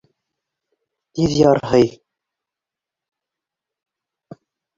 Тиҙ ярһый!